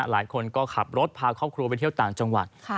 หลายคนก็ขับรถพาครอบครัวไปเที่ยวต่างจังหวัด